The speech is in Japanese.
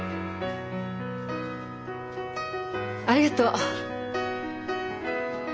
ありがとう！